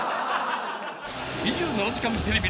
［『２７時間テレビ』